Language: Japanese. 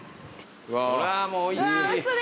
うわもうおいしい。